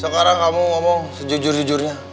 sekarang kamu ngomong sejujur jujurnya